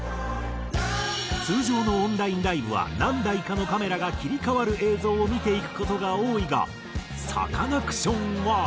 通常のオンラインライブは何台かのカメラが切り替わる映像を見ていく事が多いがサカナクションは。